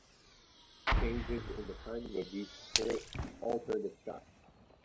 Changes in the timing of these clicks alter the shot.